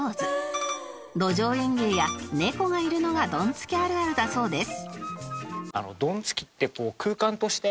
路上園芸や猫がいるのがドンツキあるあるだそうです